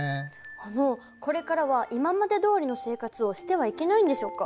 あのこれからは今までどおりの生活をしてはいけないんでしょうか？